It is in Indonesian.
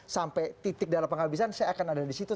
sampai titik dalam penghabisan saya akan ada disitu